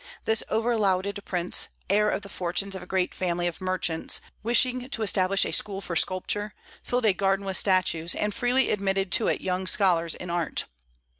This over lauded prince, heir of the fortunes of a great family of merchants, wishing to establish a school for sculpture, filled a garden with statues, and freely admitted to it young scholars in art.